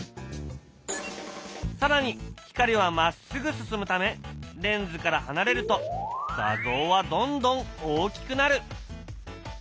更に光はまっすぐ進むためレンズから離れると画像はどんどん大きくなる！